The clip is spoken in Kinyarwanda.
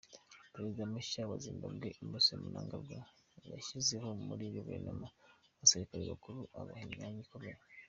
Perezida mushya wa Zimbabwe Emmerson Mnangagwa yashyizeho muri guverinoma, abasirikare bakuru abaha imyanya ikomeye.